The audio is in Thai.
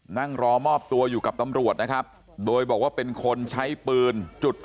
นั่งรอมอบตัวอยู่กับตำรวจนะครับโดยบอกว่าเป็นคนใช้ปืนจุด